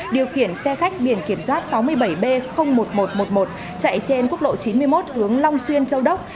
điều khiển xe khách biển kiểm soát sáu mươi bảy b một nghìn một trăm một mươi một chạy trên quốc lộ chín mươi một hướng long xuyên châu đốc